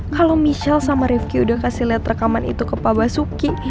kalau michelle sama rifki udah kasih lihat rekaman itu ke pak basuki